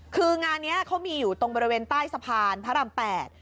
คืองานนี้เขามีอยู่ตรงบริเวณใต้สะพานพระราม๘